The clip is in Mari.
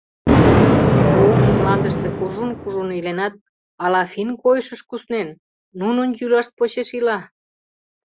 Суоми мландыште кужун-кужун иленат, ала финн койышыш куснен, нунын йӱлашт почеш ила?